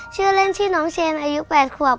ชื่อเล่นชื่อน้องเชนอายุ๘ขวบ